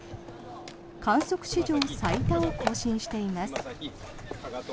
観測史上最多を更新しています。